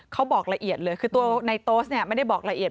เขาบอกละเอียดเลยคือตัวในโต๊สเนี่ยไม่ได้บอกละเอียด